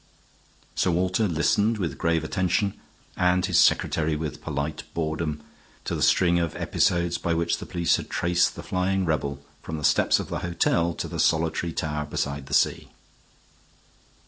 Sir Walter listened with grave attention, and his secretary with polite boredom, to the string of episodes by which the police had traced the flying rebel from the steps of the hotel to the solitary tower beside the sea.